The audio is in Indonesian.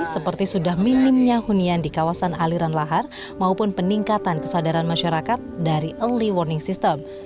seperti sudah minimnya hunian di kawasan aliran lahar maupun peningkatan kesadaran masyarakat dari early warning system